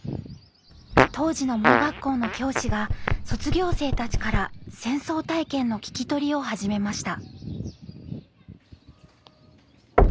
当時の盲学校の教師が卒業生たちから戦争体験の聞き取りを始めました。